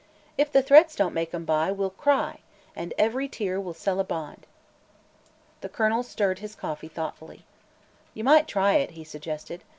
If the threats don't make 'em buy, we'll cry and every tear will sell a bond!" The Colonel stirred his coffee thoughtfully. "You might try it," he suggested.